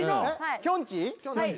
きょんちぃ？